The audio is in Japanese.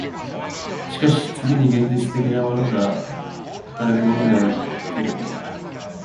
しかし次に現実的なものとは働くものでなければならぬ。